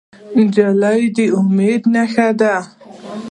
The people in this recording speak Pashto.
نجلۍ د امید نښه ده.